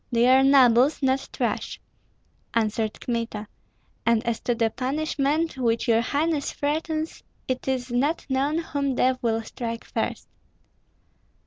"They are nobles, not trash," answered Kmita; "and as to the punishment which your highness threatens, it is not known whom death will strike first."